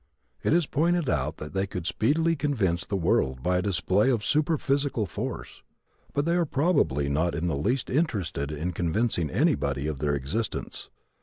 It is pointed out that they could speedily convince the world by a display of superphysical force. But they are probably not in the least interested in convincing anybody of their existence.